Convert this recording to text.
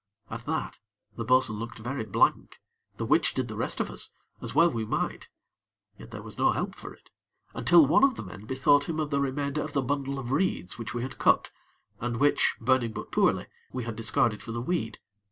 At that, the bo'sun looked very blank, the which did the rest of us, as well we might; yet there was no help for it, until one of the men bethought him of the remainder of the bundle of reeds which we had cut, and which, burning but poorly, we had discarded for the weed.